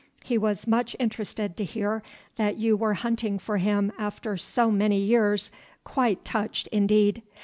He was much interested to hear that you were hunting for him after so many years, quite touched indeed.